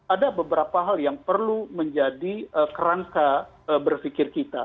ada beberapa hal yang perlu menjadi kerangka berpikir kita